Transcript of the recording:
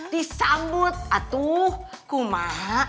disambut atuh kumaha